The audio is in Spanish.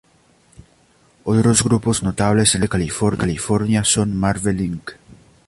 Otros grupos notables en el sur de California son Marvel Inc.